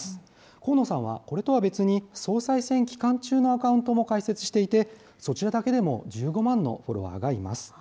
河野さんはこれとは別に、総裁選期間中のアカウントも開設していて、そちらだけでも１５万のフォロワーがいます。